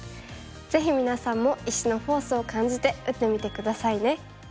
ぜひ皆さんも石のフォースを感じて打ってみて下さいね。